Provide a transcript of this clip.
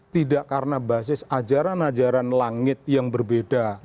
tidak karena basis ajaran ajaran langit yang berbeda